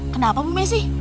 kenapa bu messi